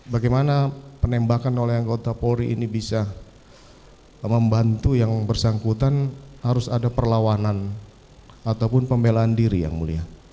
bagaimana penembakan oleh anggota polri ini bisa membantu yang bersangkutan harus ada perlawanan ataupun pembelaan diri yang mulia